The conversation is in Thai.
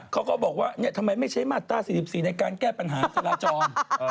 เขาก็บอกว่าทำไมไม่ใช้มาตรา๔๔ในการแก้ปัญหาจราจร